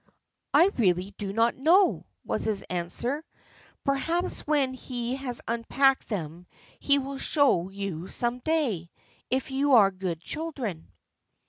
"I really do not know," was his answer; "perhaps when he has unpacked them he will show you some day, if you are good children."